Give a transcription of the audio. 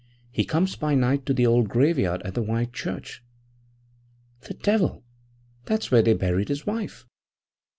He comes by night to the old graveyard at the White Church.' 'The devil! That's where they buried his wife.'